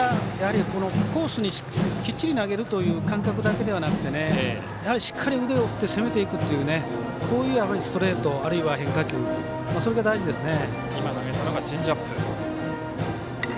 コースにきっちり投げるという感覚だけではなくてやはり、しっかり腕を振って攻めていくっていうこういうストレートあるいは変化球それが大事ですね。